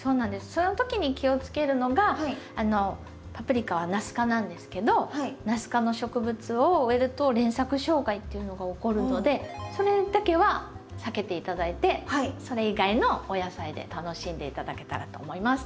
その時に気をつけるのがパプリカはナス科なんですけどナス科の植物を植えると連作障害っていうのが起こるのでそれだけは避けて頂いてそれ以外のお野菜で楽しんで頂けたらと思います。